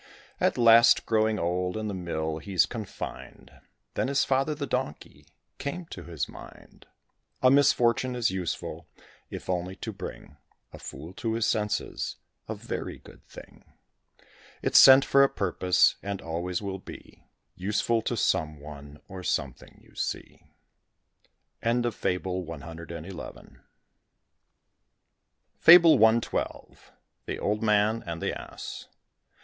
At last, growing old, in the mill he's confined, Then his father, the donkey, came into his mind. A misfortune is useful, if only to bring A fool to his senses a very good thing It's sent for a purpose, and always will be Useful to some one or something, you see. FABLE CXII. THE OLD MAN AND THE ASS.